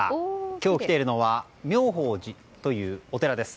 今日、来ているのは妙法寺というお寺です。